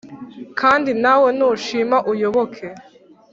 Kandi nawe nushima uyoboke